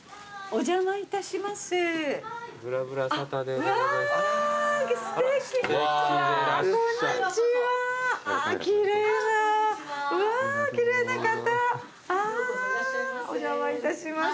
お邪魔いたします。